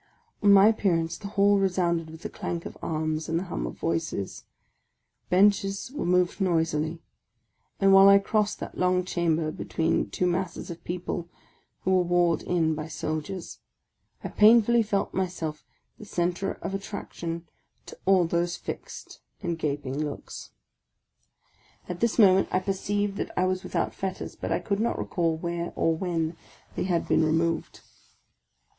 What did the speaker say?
On my appearance the hall resounded with the clank of arms and the hum of voices ; benches were moved noisily ; and while I crossed that long chamber between two masses of people who were walled in by soldiers, I painfully felt myself the centre of attraction to all those fixed and gaping looks. At this moment I perceived that I was without fetters, but I could not recall where or when they had been removed.